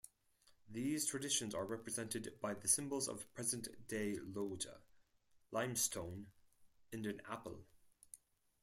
These traditions are represented by the symbols of present-day Lohja: limestone and an apple.